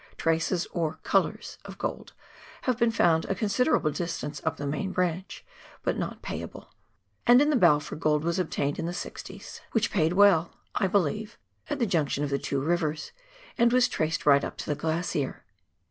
Traces, or " colours," of gold have been found a considerable distance up the main branch, but not p lyable ; and in the Balfour gold was obtained in the sixties ]58 PIONEER WORK IN THE ALPS OF NEW ZEALAND. which paid well, I beKeve, at the junction of the two rivers, and was traced right up to the glacier.